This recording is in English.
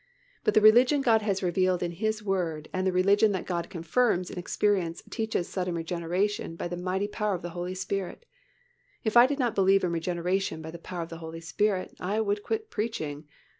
But the religion God has revealed in His Word and the religion that God confirms in experience teaches sudden regeneration by the mighty power of the Holy Spirit. If I did not believe in regeneration by the power of the Holy Spirit, I would quit preaching.